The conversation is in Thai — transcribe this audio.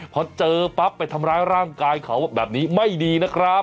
พอเจอปั๊บไปทำร้ายร่างกายเขาแบบนี้ไม่ดีนะครับ